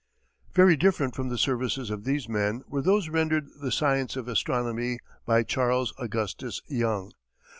Very different from the services of these men were those rendered the science of astronomy by Charles Augustus Young.